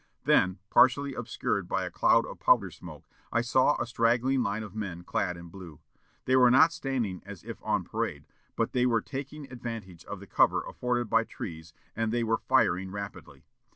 Then, partially obscured by a cloud of powder smoke, I saw a straggling line of men clad in blue. They were not standing as if on parade, but they were taking advantage of the cover afforded by trees, and they were firing rapidly.